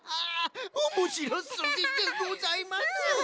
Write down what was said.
おもしろすぎでございます！